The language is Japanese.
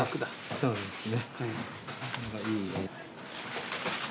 そうですね。